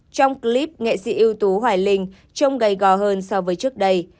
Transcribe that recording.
trong clip nghệ sĩ ưu tú hoài linh trông gai gò hơn so với trước đây